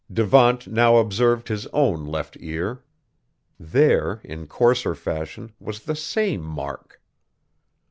Devant now observed his own left ear. There, in coarser fashion, was the same mark!